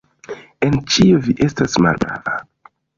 En ĉio vi estas malprava.